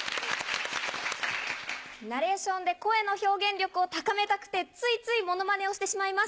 ナレーションで声の表現力を高めたくてついついモノマネをしてしまいます。